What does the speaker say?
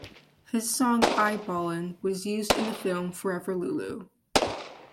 His song "Eyeballin'" was used in the film "Forever LuLu".